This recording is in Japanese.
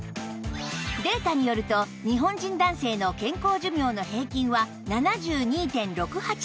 データによると日本人男性の健康寿命の平均は ７２．６８ 歳